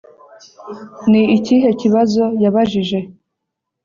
Ni ikihe kibazo yabajije